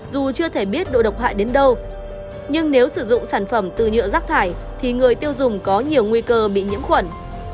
dù chưa thể biết độ độc hại đến đâu nhưng nếu sử dụng sản phẩm từ nhựa rác thải thì người tiêu dùng có nhiều nguy cơ bị nhiễm khuẩn